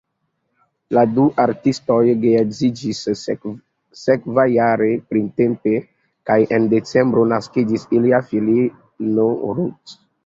La du artistoj geedziĝis sekvajare printempe kaj en decembro naskiĝis ilia filino Ruth.